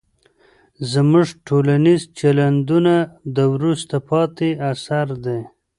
زموږ ټولنیز چلندونه د وروسته پاتې عصر دي.